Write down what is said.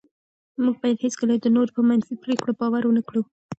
موږ باید هېڅکله د نورو په منفي پرېکړو باور ونه کړو.